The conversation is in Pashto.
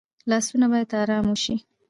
لاسونه باید آرام وشي